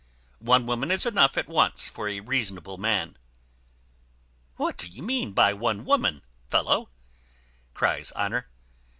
One woman is enough at once for a reasonable man." "What do you mean by one woman, fellow?" cries Honour.